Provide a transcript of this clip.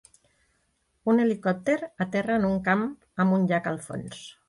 Un helicòpter aterra en un camp amb un llac al fons